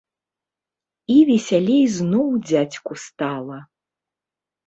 І весялей зноў дзядзьку стала.